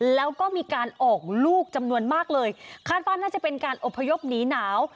แล้วก็มีการออกลูกจำนวนมากเลยคาดว่าน่าจะเป็นการอบพยพหนีหนาว